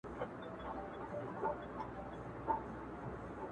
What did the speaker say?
په جرم را ګرځوي